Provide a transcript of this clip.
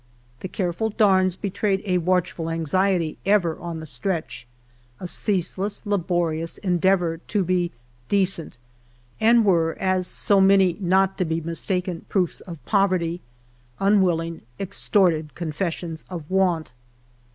The careful darns betrayed a watchful anxiety ever on tlie stretch ; a cease less, laborious endeavor to be decent, and were as So many not to be mistaken proofs of poverty — unwilling, extorted confessions of want.